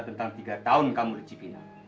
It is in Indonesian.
tentang tiga tahun kamu dengan cipinak